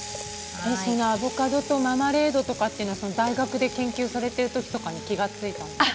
アボカドとマーマレードというのは大学で研究されてるときに気が付いたんですか？